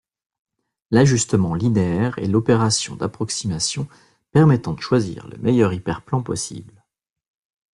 L'ajustement linéaire est l'opération d'approximation permettant de choisir le meilleur hyperplan possible.